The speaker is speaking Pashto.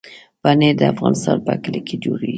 پنېر د افغانستان په کلیو کې جوړېږي.